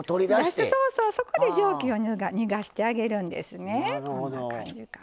そこで蒸気を逃がしてあげるんですね。